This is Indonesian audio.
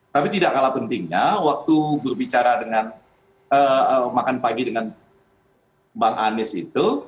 tapi tidak kalah pentingnya waktu berbicara dengan makan pagi dengan bang anies itu